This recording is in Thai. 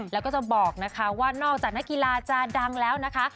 แล้วก็จะบอกนะคะว่านอกจากนักกีฬาจะดังแล้วนะคะ